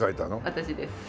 私です。